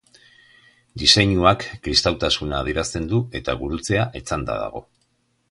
Diseinuak kristautasuna adierazten du eta gurutzea etzanda dago.